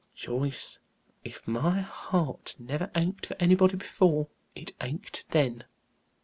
Joyce, if my heart never ached for anybody before, it ached then.